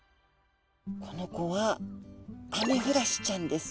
この子はアメフラシちゃんです。